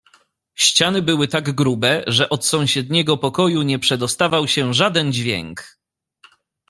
"Ściany były tak grube, że od sąsiedniego pokoju nie przedostawał się żaden dźwięk."